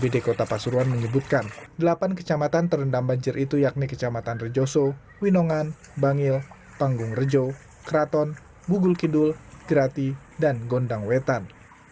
bpd kota pasuruan menyebutkan delapan kecamatan terendam banjir itu yakni kecamatan rejoso winongan bangil panggung rejo keraton bugul kidul gerati dan gondang wetan